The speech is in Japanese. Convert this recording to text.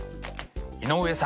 井上さん